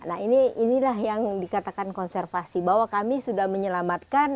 nah inilah yang dikatakan konservasi bahwa kami sudah menyelamatkan